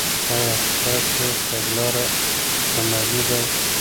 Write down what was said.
آیا ستاسو تګلاره عملي ده؟